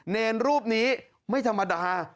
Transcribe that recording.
เนรรูปนี้ไม่ธรรมดา